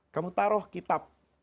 kamu taruh kitab